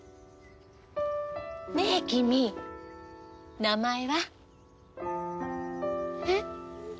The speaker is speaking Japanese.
ねえ君名前は？えっ？